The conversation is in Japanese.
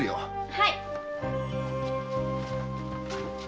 はい！